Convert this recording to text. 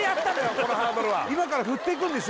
このハードルは今から振っていくんでしょ